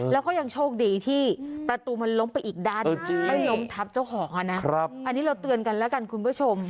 แล้วก็ยังโชคดีที่ประตูมันล้มไปอีกด้านไม่ล้มทับเจ้าของอ่ะนะอันนี้เราเตือนกันแล้วกันคุณผู้ชม